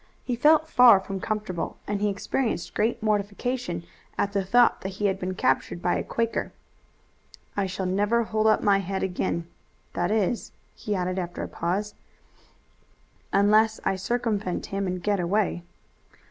He felt far from comfortable, and he experienced great mortification at the thought that he had been captured by a Quaker. "I shall never hold up my head again that is," he added after a pause, "unless I circumvent him and get away."